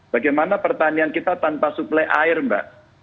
bagaimana pertanian kita tanpa suplai air mbak